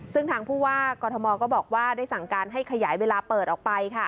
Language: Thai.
ซึ่งทางผู้ว่ากรทมก็บอกว่าได้สั่งการให้ขยายเวลาเปิดออกไปค่ะ